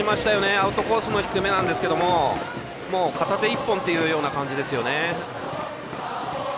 アウトコースの低めですが片手一本というような感じですよね。